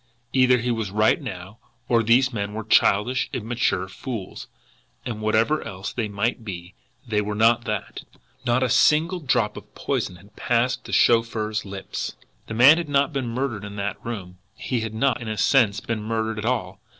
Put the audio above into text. Either he was right now, or these men were childish, immature fools and, whatever else they might be, they were not that! NOT A SINGLE DROP OF POISON HAD PASSED THE CHAUFFEUR'S LIPS. The man had not been murdered in that room. He had not, in a sense, been murdered at all.